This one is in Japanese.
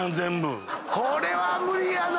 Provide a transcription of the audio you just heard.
これは無理やなぁ！